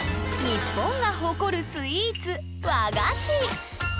日本が誇るスイーツ和菓子。